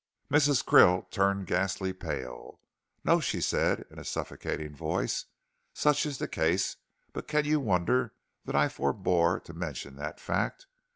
Mrs. Krill turned ghastly pale. "No," she said in a suffocating voice, "such is the case; but can you wonder that I forebore to mention that fact?